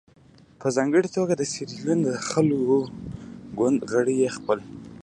په ځانګړې توګه د سیریلیون د خلکو ګوند غړي یې ځپل.